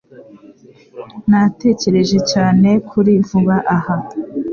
Natekereje cyane kuri vuba aha.